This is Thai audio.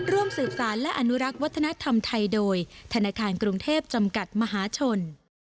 ร่วมสืบสารและอนุรักษ์วัฒนธรรมไทยโดยธนาคารกรุงเทพจำกัดมหาชน